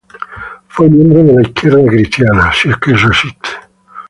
Fue miembro de la Izquierda Cristiana.